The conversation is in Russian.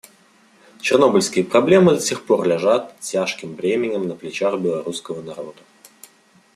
Чернобыльские проблемы до сих пор лежат тяжким бременем на плечах белорусского народа.